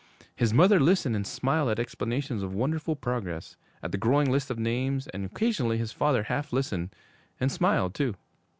His mother listened and smiled at explanations of wonderful progress, at the growing list of names, and occasionally his father half listened, and smiled too.